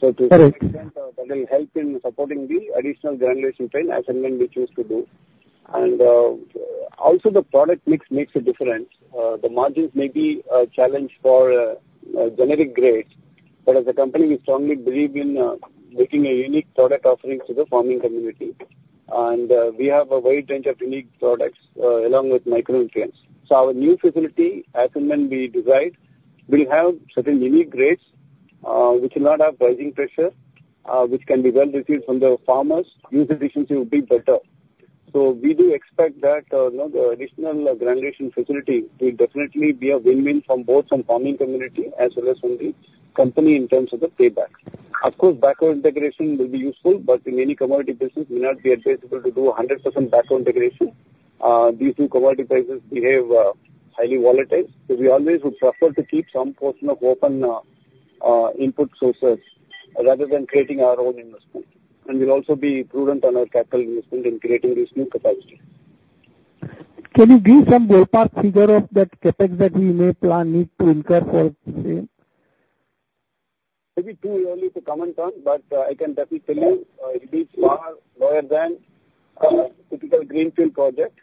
Correct. So to that extent, that will help in supporting the additional granulation plant, as and when we choose to do. Right. Also, the product mix makes a difference. The margins may be a challenge for a generic grade, but as a company, we strongly believe in making a unique product offerings to the farming community. We have a wide range of unique products, along with micronutrients. So our new facility, as and when we decide, will have certain unique grades, which will not have pricing pressure, which can be well received from the farmers. Use efficiency will be better. So we do expect that, you know, the additional granulation facility will definitely be a win-win from both from farming community as well as from the company in terms of the payback. Of course, backward integration will be useful, but in many commodity business will not be advisable to do 100% backward integration. These two commodity prices behave highly volatile. So we always would prefer to keep some portion of open input sources rather than creating our own investment. We'll also be prudent on our capital investment in creating this new capacity. Can you give some ballpark figure of that CapEx that we may plan, need to incur for the same? Maybe too early to comment on, but, I can definitely tell you, it is far lower than, typical greenfield project.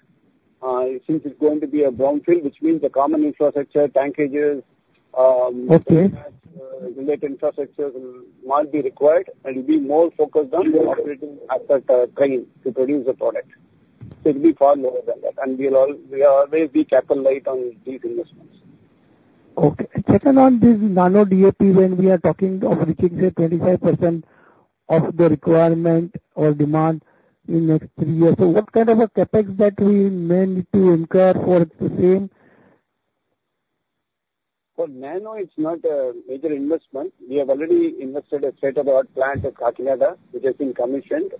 Since it's going to be a brownfield, which means the common infrastructure, tankages, Okay. Related infrastructure will not be required, and we'll be more focused on operating at that time to produce the product. So it'll be far lower than that, and we will always be capital light on these investments. Okay. Second, on this Nano DAP, when we are talking of reaching, say, 25% of the requirement or demand in next 3 years. So what kind of a CapEx that we may need to incur for the same? For Nano, it's not a major investment. We have already invested a state-of-the-art plant at Kakinada, which has been commissioned,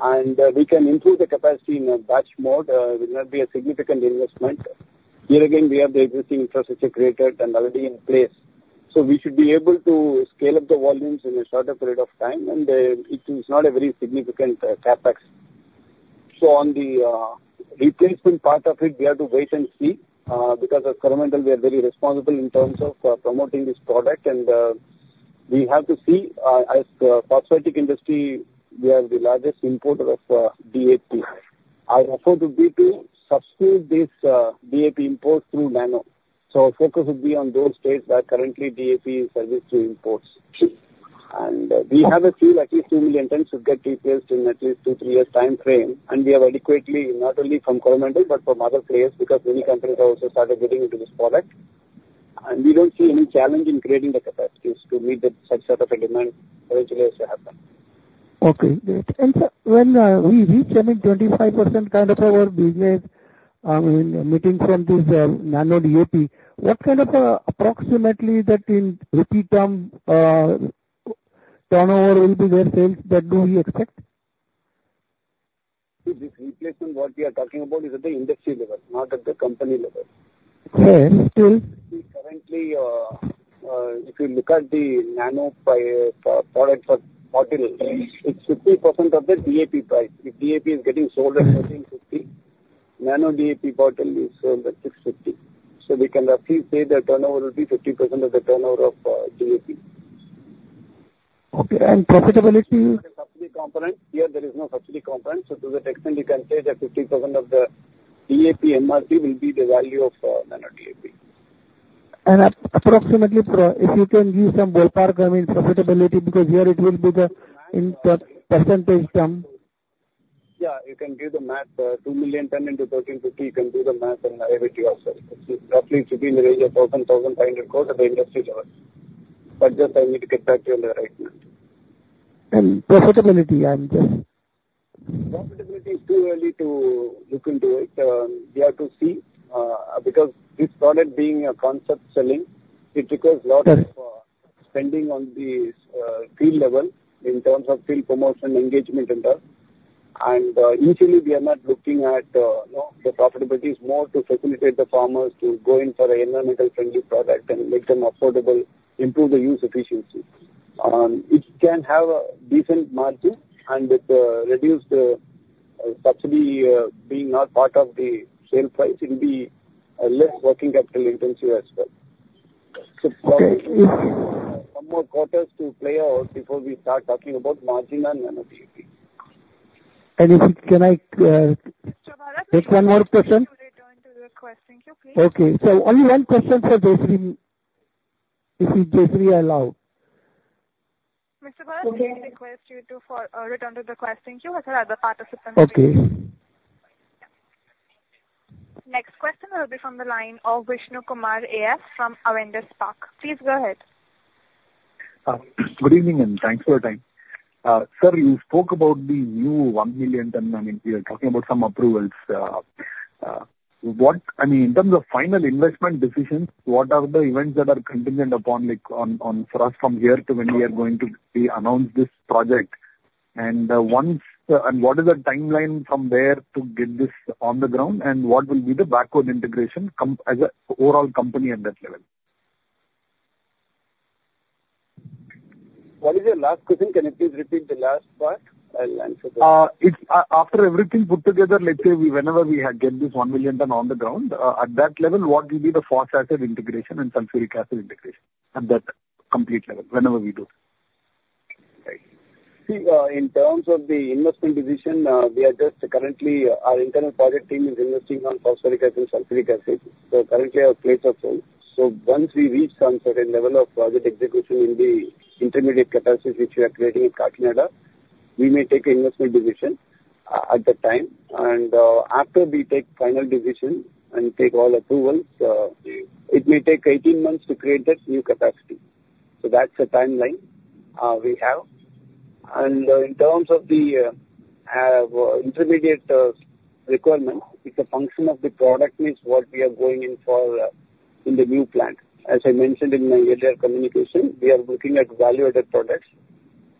and we can improve the capacity in a batch mode. It will not be a significant investment. Here, again, we have the existing infrastructure created and already in place, so we should be able to scale up the volumes in a shorter period of time, and it is not a very significant CapEx. So on the replacement part of it, we have to wait and see, because as Coromandel, we are very responsible in terms of promoting this product, and we have to see, as the phosphatic industry, we are the largest importer of DAP. Our effort would be to substitute this DAP import through Nano. So our focus would be on those states that currently DAP is subject to imports. And we have a few, at least 2 million tons, to get replaced in at least 2-3 years time frame. And we have adequately, not only from Coromandel, but from other players, because many companies have also started getting into this product. And we don't see any challenge in creating the capacities to meet the such sort of a demand, as well as to happen. Okay, great. And, sir, when we reach, I mean, 25% kind of our business, I mean, making from this Nano DAP, what kind of approximately that in rupee term turnover will be there, sales that do we expect? This replacement, what we are talking about is at the industry level, not at the company level. Okay, still- Currently, if you look at the Nano DAP product for bottle, it's 50% of the DAP price. If DAP is getting sold at 1,350, Nano DAP bottle is sold at 650. So we can roughly say the turnover will be 50% of the turnover of DAP. Okay, and profitability? Subsidy component. Here there is no subsidy component, so to that extent, we can say that 50% of the DAP MRP will be the value of Nano DAP. Approximately, if you can give some ballpark, I mean, profitability, because here it will be in the percentage term. Yeah, you can do the math, 2 million ton into 1,350, you can do the math and arrive at your answer. It's roughly should be in the range of INR 12,500 crores at the industry level. But just, I need to get back to you on the right number. Profitability, I'm just- Profitability is too early to look into it. We have to see, because this product being a concept selling, it requires lot of spending on the field level in terms of field promotion, engagement and that. Initially, we are not looking at, you know, the profitability is more to facilitate the farmers to go in for environmental friendly product and make them affordable, improve the use efficiency. It can have a decent margin and with the reduced subsidy being not part of the sale price, it will be less working capital intensive as well. So some more quarters to play out before we start talking about margin and profitability. And if, can I- Mr. Bharat- Ask one more question? Return to the question queue, please. Okay. So only one question for Jayashree, if Jayashree allowed. Mr. Bharat, may I request you to return to the question queue as there are other participants waiting. Okay. Next question will be from the line of Vishnu Kumar AS from Avendus Spark. Please go ahead. Good evening, and thanks for your time. Sir, you spoke about the new 1 million ton. I mean, we are talking about some approvals. What I mean, in terms of final investment decisions, what are the events that are contingent upon, like, on, on for us from here to when we are going to be announce this project? And what is the timeline from there to get this on the ground? And what will be the backward integration com- as a overall company at that level? What is your last question? Can you please repeat the last part? I'll answer that. If after everything put together, let's say we, whenever we had get this 1 million ton on the ground, at that level, what will be the phosphoric acid integration and sulfuric acid integration at that complete level, whenever we do it? Right. See, in terms of the investment decision, we are just currently, our internal project team is investing on phosphoric acid and sulfuric acid. So currently our plates are full. So once we reach some certain level of project execution in the intermediate capacities which we are creating in Kakinada, we may take an investment decision at that time. And, after we take final decision and take all approvals, it may take 18 months to create that new capacity. So that's the timeline we have. And, in terms of the intermediate requirement, it's a function of the product mix, what we are going in for, in the new plant. As I mentioned in my earlier communication, we are looking at value-added products,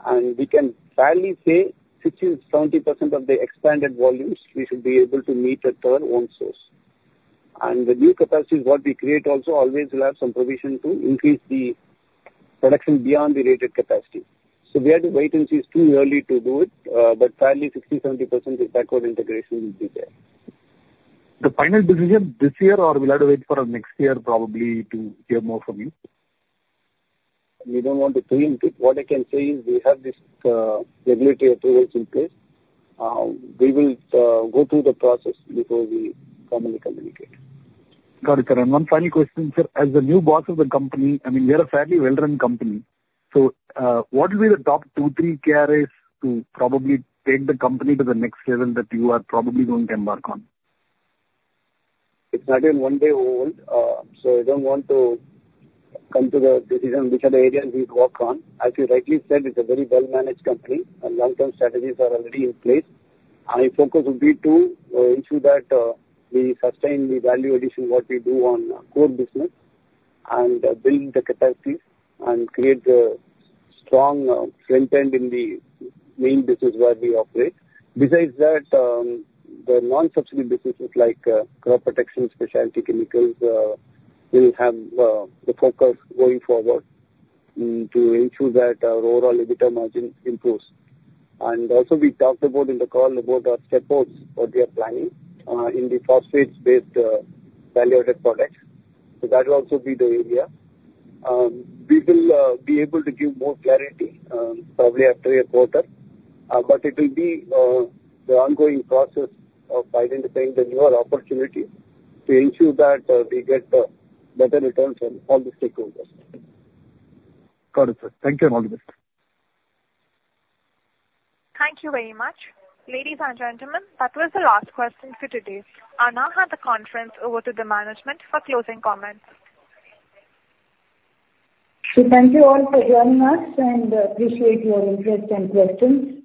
and we can fairly say 60%-70% of the expanded volumes we should be able to meet at our own source. The new capacities, what we create also always will have some provision to increase the production beyond the rated capacity. We have to wait and see, it's too early to do it, but fairly 60%-70% of backward integration will be there. The final decision this year, or we'll have to wait for next year probably to hear more from you? We don't want to pre-empt it. What I can say is we have this, regulatory approvals in place. We will go through the process before we formally communicate. Got it, Shankar. One final question, sir. As the new boss of the company, I mean, we are a fairly well-run company, so, what will be the top two, three KRAs to probably take the company to the next level that you are probably going to embark on? It's not even one day old, so I don't want to come to the decision which are the areas we work on. As you rightly said, it's a very well-managed company, and long-term strategies are already in place. My focus would be to ensure that we sustain the value addition, what we do on core business, and build the capacities, and create a strong front end in the main business where we operate. Besides that, the non-subsidy businesses like crop protection, specialty chemicals will have the focus going forward, to ensure that our overall EBITDA margin improves. And also we talked about in the call about our step outs, what we are planning in the phosphates-based value-added products. So that will also be the area. We will be able to give more clarity, probably after a quarter, but it will be the ongoing process of identifying the newer opportunity to ensure that we get better returns from all the stakeholders. Got it, sir. Thank you and all the best. Thank you very much. Ladies and gentlemen, that was the last question for today. I now hand the conference over to the management for closing comments. So thank you all for joining us, and appreciate your interest and questions.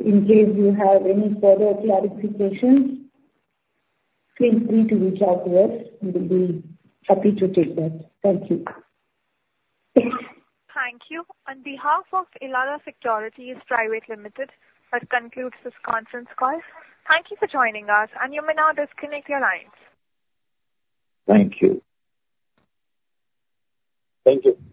In case you have any further clarifications, feel free to reach out to us. We will be happy to take that. Thank you. Thank you. On behalf of Elara Securities Private Limited, that concludes this conference call. Thank you for joining us, and you may now disconnect your lines. Thank you. Thank you.